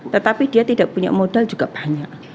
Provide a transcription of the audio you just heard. tetapi dia tidak punya modal juga banyak